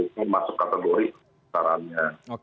itu masuk kategori perusahaannya